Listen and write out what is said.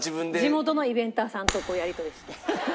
地元のイベンターさんとこうやり取りして。